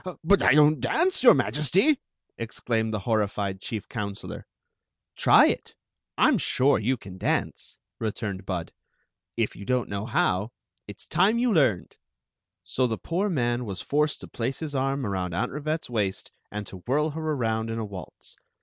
" But I don't dance, your Majesty!" exclaimed the horrified chief counselor. "Try it; I 'm sure you can dance," returned Bud If you don t know how, it s time you learned." So the poor man was forced to place his arm about Aunt Rivette's waist and to whirl her around in a waltz.